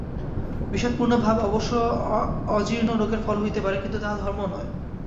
বিষাদপূর্ণ ভাব অবশ্য অজীর্ণ রোগের ফল হইতে পারে, কিন্তু তাহা ধর্ম নয়।